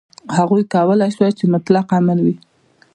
هغوی کولای شول چې مطلق امر وي.